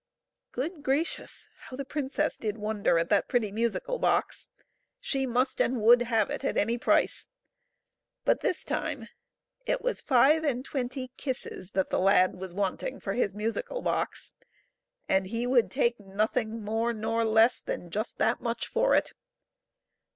Good gracious ! how the princess did wonder at the pretty musical box ! She must and would have it at any price ; but this time it was five and twenty kisses that the lad was wanting for his musical box, and he would take nothing more nor less than just that much for it.